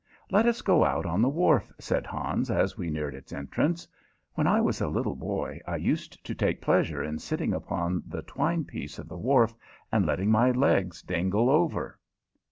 "Let us go out on the wharf," said Hans, as we neared its entrance. "When I was a small boy I used to take pleasure in sitting upon the twine piece of the wharf and letting my legs dingle over."